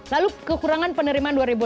lalu kekurangan penerimaan dua ribu enam belas